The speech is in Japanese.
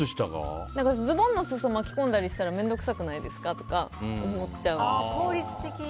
ズボンの裾を巻き込んだりしたら面倒くさくないですか？とか思っちゃう。